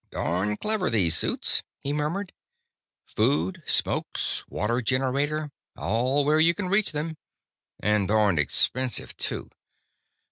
"Darn clever, these suits," he murmured. "Food, smokes, water generator, all where you can reach them. And darned expensive, too.